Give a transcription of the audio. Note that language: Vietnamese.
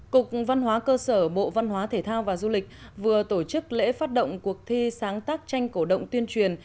cục văn hóa cơ sở bộ văn hóa thể thao và du lịch vừa tổ chức lễ phát động cuộc thi sáng tác tranh cổ động tuyên truyền